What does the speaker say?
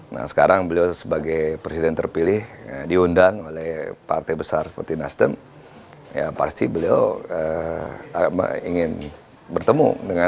nah sekarang beliau sebagai presiden terpilih dan beliau juga menjadi presiden terpilih